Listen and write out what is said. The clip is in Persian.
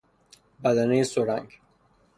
بدنهی سرنگ